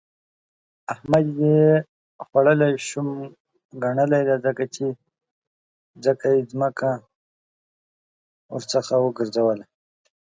احمد يې خوړلې شومه ګنلی دی؛ ځکه يې ځمکه ورڅخه وګرځوله.